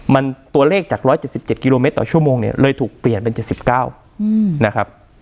มันตัวเลขจาก๑๗๗กิโลเมตรต่อชั่วโมงเนี่ยเลยถูกเปลี่ยนเป็น๗๙นะครับ